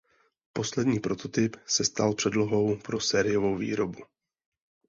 Poslední prototyp se stal předlohou pro sériovou výrobu.